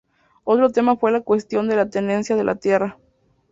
Otro tema fue la cuestión de la tenencia de la tierra.